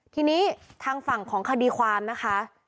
ทีนี้ทางฝั่งของคดีความนะคะ